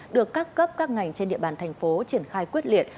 được các cấp các ngành trên địa bàn thành phố triển khai quyết liệt